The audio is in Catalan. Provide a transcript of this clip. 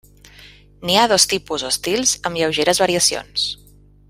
N'hi ha dos tipus o estils amb lleugeres variacions.